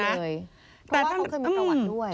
เพราะว่าเขาเคยมีประวัติด้วย